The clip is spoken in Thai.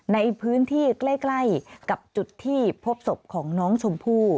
ในพื้นที่ใกล้กับจุดที่พบศพของน้องชมพู่